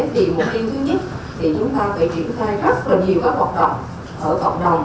vì mục tiêu thứ nhất thì chúng ta phải triển khai rất nhiều các hoạt động ở cộng đồng